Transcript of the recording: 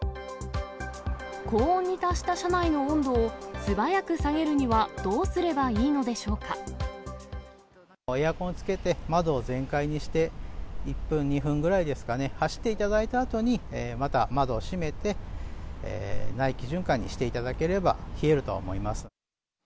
高温に達した車内の温度を素早く下げるには、どうすればいいのでエアコンつけて、窓を全開にして、１分、２分ぐらいですかね、走っていただいたあとに、また窓を閉めて、内気循環にしていただければ、冷えるとは思います。